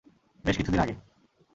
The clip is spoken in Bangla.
বেশ কিছুদিন আগে।